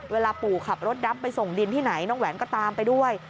เวลาปู่ขับรถดำไปส่งดินที่ไหนน้องแหวนก็ตามไปด้วย